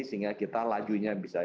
sehingga kita lajunya bisa